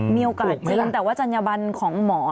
มีโอกาสจริงแต่ว่าจัญญบันของหมอ